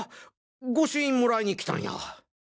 御朱印もらいに来たんや。